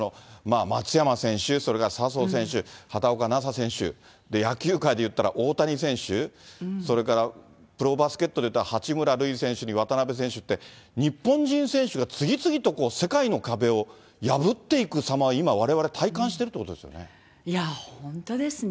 松山選手、それから笹生選手、畑岡奈紗選手、野球界でいったら、大谷選手、それからプロバスケットでいったら、八村塁選手に渡邊選手って、日本人選手が次々と世界の壁を破っていくさま、今、われわれ体感本当ですね。